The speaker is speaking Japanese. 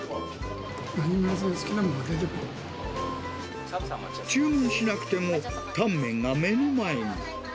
何も言わずに好きなものが出注文しなくても、タンメンが目の前に。